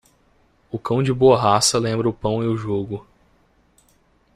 O cão de boa raça lembra o pão e o jogo.